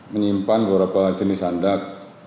menyimpan beberapa jenis handak